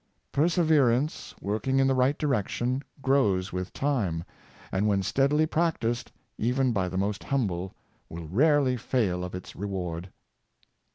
Perseverance, working in the right direction, grows with time, and when steadily practiced, even by the most humble, will rarely fail of its reward.